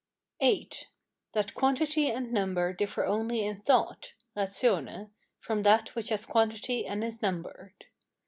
VIII. That quantity and number differ only in thought (RATIONE) from that which has quantity and is numbered.